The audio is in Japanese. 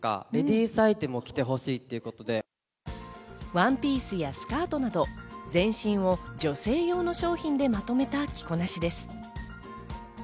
ワンピースやスカートなど、全身を女性用の商品でまとめた着こなしです。